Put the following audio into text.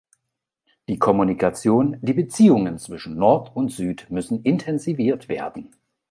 Die Kommunikation, die Beziehungen zwischen Nord und Süd müssen intensiviert werden.